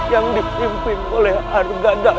yang dipimpin oleh argadana